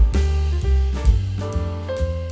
demi apa pak